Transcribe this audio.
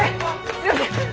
すみません